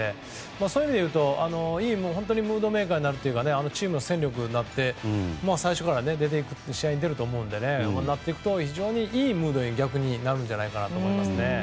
そういう意味で言うといいムードメーカーになるというかチームの戦力になって最初から試合に出ると思うのでそうなると非常にいいムードに逆になるんじゃないかなと思いますね。